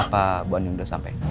pak bu ani udah sampai